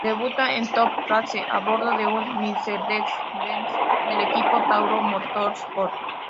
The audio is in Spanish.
Debuta en Top Race a bordo de un Mercedes-Benz en el equipo Tauro Motorsport.